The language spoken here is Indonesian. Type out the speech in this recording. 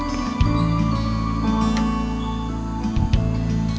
kasih tau andi pak